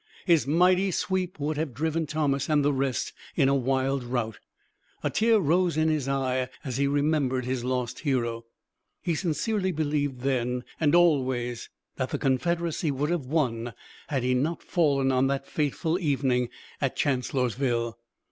His mighty sweep would have driven Thomas and the rest in a wild rout. A tear rose in his eye as he remembered his lost hero. He sincerely believed then and always that the Confederacy would have won had he not fallen on that fatal evening at Chancellorsville.